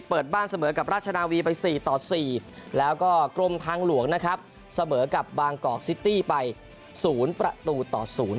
เปิดบ้านเสมอกับราชนาวีไป๔ต่อ๔แล้วก็กรมทางหลวงนะครับเสมอกับบางกอกซิตี้ไป๐ประตูต่อ๐